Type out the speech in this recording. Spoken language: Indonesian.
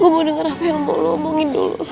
gue mau denger apa yang mau lo omongin dulu